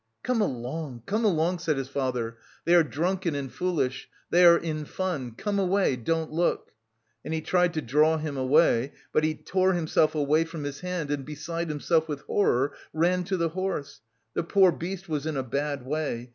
"Come along, come along!" said his father. "They are drunken and foolish, they are in fun; come away, don't look!" and he tried to draw him away, but he tore himself away from his hand, and, beside himself with horror, ran to the horse. The poor beast was in a bad way.